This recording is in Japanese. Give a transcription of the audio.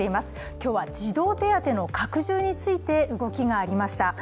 今日は児童手当の拡充について動きがありました。